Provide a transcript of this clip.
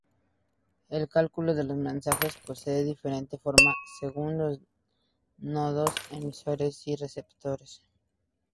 El cálculo de los mensajes posee diferente forma según los nodos emisores y receptores.